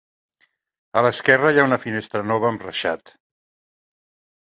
A l'esquerra hi ha una finestra nova amb reixat.